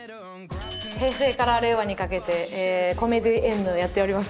平成から令和にかけてコメディエンヌをやっております。